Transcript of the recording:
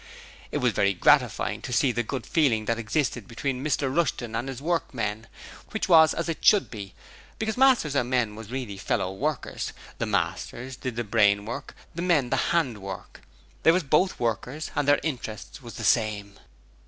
It was very gratifying to see the good feeling that existed between Mr Rushton and his workmen, which was as it should be, because masters and men was really fellow workers the masters did the brain work, the men the 'and work. They was both workers, and their interests was the same.